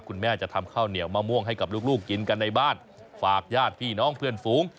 คุณแม่จะทำข้าวเหนียวมะม่วงให้กับลูกกินกันในบ้านฝากญาติพี่น้องเพื่อนฝูง